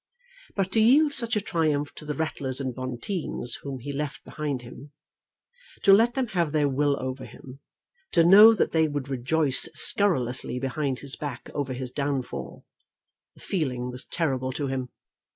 But to yield such a triumph to the Ratlers and Bonteens whom he left behind him, to let them have their will over him, to know that they would rejoice scurrilously behind his back over his downfall! The feeling was terrible to him.